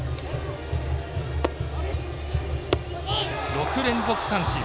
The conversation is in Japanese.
６連続三振。